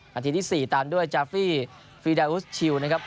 นาทีที่๔ตามด้วยจาฟี่ฟีดาอุสชิลนะครับ